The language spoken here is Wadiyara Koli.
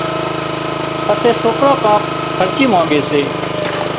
پسي سوڪران ڪانڪ خرچي مانڳي سي